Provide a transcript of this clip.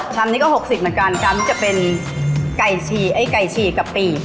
ชำนี้ก็๖๐บาทเหมือนกันชำนี้จะเป็นไก่ชีกะปี